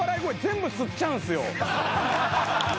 全部吸っちゃうんすよ。